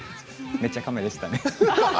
めっちゃ亀でしたね。